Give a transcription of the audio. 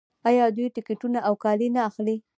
آیا دوی ټکټونه او کالي نه اخلي؟